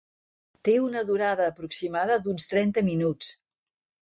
Té una durada aproximada d'uns trenta minuts.